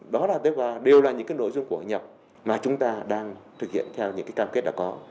đó là twi đều là những cái nội dung của hội nhập mà chúng ta đang thực hiện theo những cái cam kết đã có